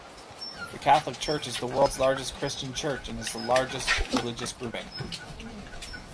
The Catholic Church is the world's largest Christian Church, and its largest religious grouping.